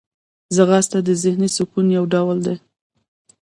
ځغاسته د ذهني سکون یو ډول دی